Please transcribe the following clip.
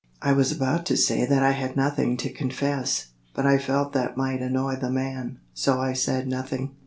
I was about to say that I had nothing to confess, but I felt that might annoy the man, so I said nothing.